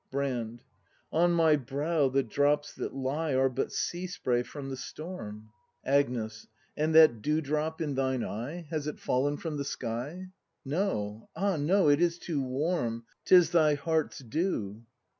Brand. On my brow the drops that lie Are but sea spray from the storm. Agnes. And that dewdrop in thine eye. Has it fallen from the sky ? No, ah! no, it is too warm, 'Tis thy heart's dew!